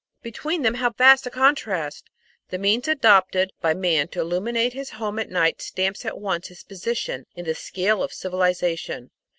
between them how vast a contrast! The means adopted by man to illuminate his home at night stamps at once his position in the scale of civilisation.